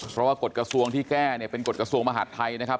เพราะว่ากฎกระทรวงที่แก้เนี่ยเป็นกฎกระทรวงมหาดไทยนะครับ